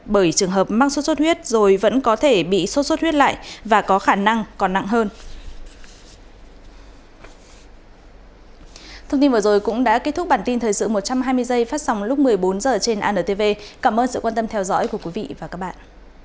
bởi trường hợp mắc suốt suốt huyết rồi vẫn có thể bị suốt suốt huyết lại và có khả năng còn nặng hơn